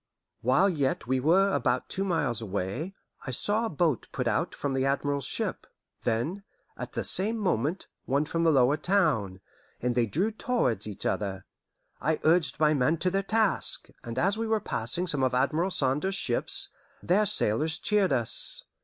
'" While yet we were about two miles away, I saw a boat put out from the admiral's ship, then, at the same moment, one from the Lower Town, and they drew towards each other. I urged my men to their task, and as we were passing some of Admiral Saunders's ships, their sailors cheered us.